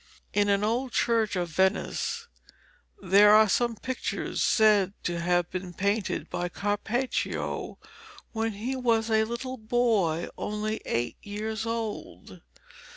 In an old church of Venice there are some pictures said to have been painted by Carpaccio when he was a little boy only eight years old.